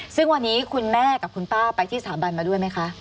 ซึ่งวันนี้คุณแม่กับคุณป้าไปที่สถาบันมาด้วยไหมคะ